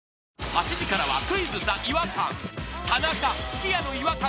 ８時からは「クイズＴＨＥ違和感」